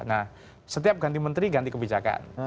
nah setiap ganti menteri ganti kebijakan